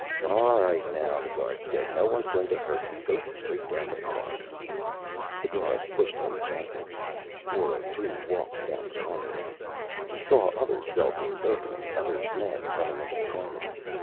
"All right, now," the guard said, "No one's going to hurt you. Go straight down the corridor." The guard pushed him gently. 402 walked down the corridor. He saw other cell doors opening, other men coming into the corridor.